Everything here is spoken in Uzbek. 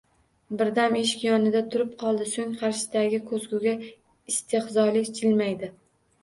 Bir dam eshik yonida turib qoldi so`ng qarshisidagi ko`zguga istehzoli jilmaydi